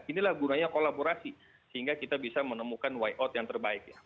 inilah gunanya kolaborasi sehingga kita bisa menemukan way out yang terbaik ya